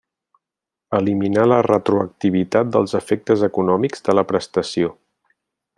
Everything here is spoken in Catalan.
Eliminà la retroactivitat dels efectes econòmics de la prestació.